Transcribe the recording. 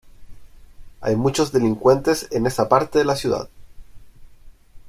Hay muchos delincuentes en esa parte de la ciudad.